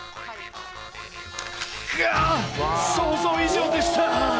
がっ、想像以上でした。